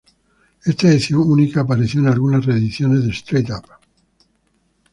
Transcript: Esta edición única apareció en algunas reediciones de "Straight Up".